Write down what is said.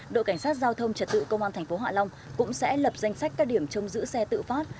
đội cảnh sát giao thông trật tự công an tp hạ long cũng sẽ lập danh sách các điểm trong giữ xe tự phát